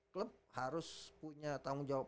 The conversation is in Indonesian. klub harus punya tanggung jawab